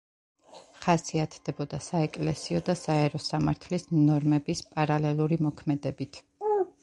ხასიათდებოდა საეკლესიო და საერო სამართლის ნორმების პარალელური მოქმედებით.